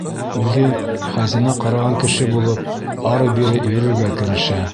Үҙе, хазина ҡараған кеше булып, ары-бире йөрөргә керешә.